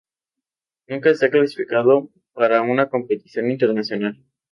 Nunca se ha clasificado para una competición internacional.